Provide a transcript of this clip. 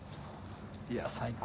いや最高。